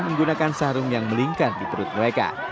menggunakan sarung yang melingkar di perut mereka